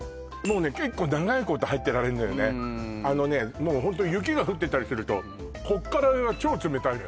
もうホント雪が降ってたりするとこっから上が超冷たいのよ